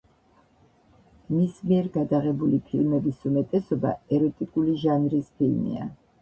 მის მიერ გადაღებული ფილმების უმეტესობა ეროტიკული ჟანრის ფილმია.